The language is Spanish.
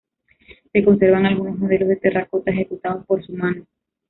Se conservan algunos modelos de terracota ejecutados por su mano.